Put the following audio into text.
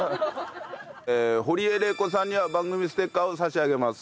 ほりえれいこさんには番組ステッカーを差し上げます。